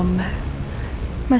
untuk memperbaiki kondisi kondisi